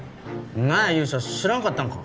何や勇者知らんかったんか？